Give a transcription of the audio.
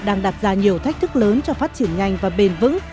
đang đặt ra nhiều thách thức lớn cho phát triển nhanh và bền vững